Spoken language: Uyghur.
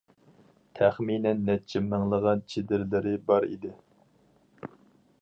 تەخمىنەن نەچچە مىڭلىغان چېدىرلىرى بار ئىدى.